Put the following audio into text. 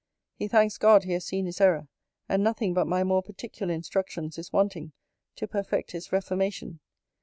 He thanks God he has seen his error; and nothing but my more particular instructions is wanting to perfect his reformation.